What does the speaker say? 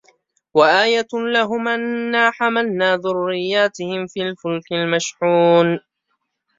وَآيَةٌ لَهُمْ أَنَّا حَمَلْنَا ذُرِّيَّتَهُمْ فِي الْفُلْكِ الْمَشْحُونِ